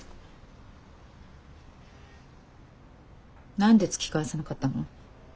何で突き返さなかったの？